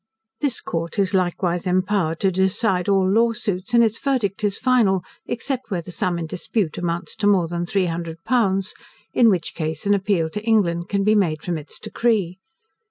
This court is likewise empowered to decide all law suits, and its verdict is final, except where the sum in dispute amounts to more than three hundred pounds, in which case an appeal to England can be made from its decree.